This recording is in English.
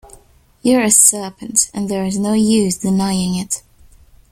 You’re a serpent; and there’s no use denying it.